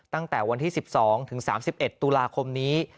ตั้งแต่วันที่๑๒ถึง๓๑ตุลาคมนี้